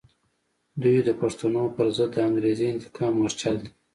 دوی د پښتنو پر ضد د انګریزي انتقام مورچل دی.